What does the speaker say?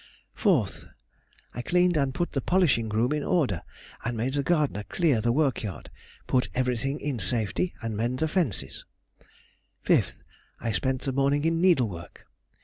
4th.—I cleaned and put the polishing room in order, and made the gardener clear the work yard, put everything in safety, and mend the fences. 5th.—I spent the morning in needle work.